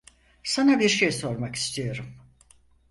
Sana birşey sormak istiyorum.